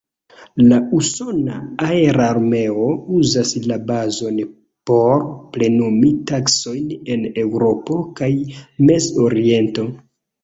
La usona aerarmeo uzas la bazon por plenumi taskojn en Eŭropo kaj Mez-Oriento.